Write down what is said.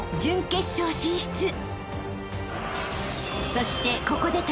［そして］